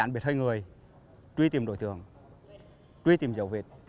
biệt hai người truy tìm đối tượng truy tìm dầu việt